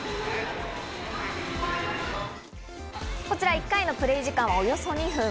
こちら１回のプレイ時間はおよそ２分。